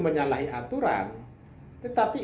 menyalahi aturan tetapi